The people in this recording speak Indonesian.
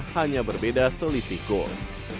hanya berbeda selisih gol